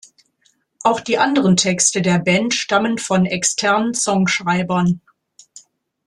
Auch die anderen Texte der Band stammen von externen Songschreibern.